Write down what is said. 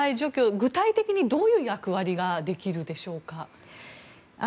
具体的にどういう役割ができるでしょうか。